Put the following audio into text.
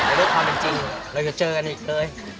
แต่ด้วยความจริงเราก็เจอกันอีกเลย